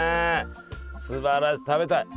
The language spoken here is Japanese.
すばらしい食べたい！